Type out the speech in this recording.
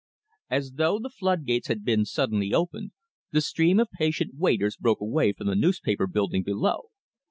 As though the flood gates had been suddenly opened, the stream of patient waiters broke away from the newspaper building below.